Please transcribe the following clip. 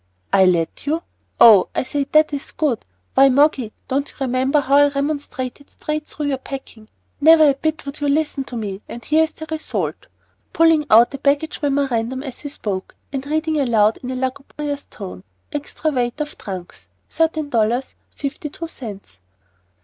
"I let you! Oh, I say, that is good! Why, Moggy, don't you remember how I remonstrated straight through your packing. Never a bit would you listen to me, and here is the result," pulling out a baggage memorandum as he spoke, and reading aloud in a lugubrious tone, "Extra weight of trunks, thirteen dollars, fifty two cents."